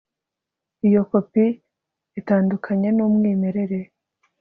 Iyo kopi itandukanye numwimerere